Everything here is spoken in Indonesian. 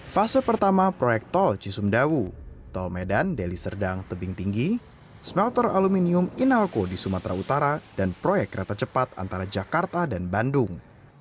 fase pertama proyek tol cisumdawu tol medan deli serdang tebing tinggi smelter aluminium inalko di sumatera utara dan proyek kereta cepat antara jakarta dan bandung